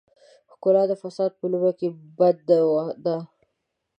ښکلا د فساد په لومه کې بنده ده.